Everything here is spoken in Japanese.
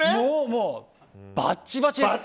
もうバッチバチです。